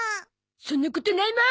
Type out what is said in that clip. そんなことないもん！